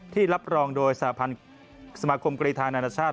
ที่รับรองโดยสมาคมกรีธานานาชาติ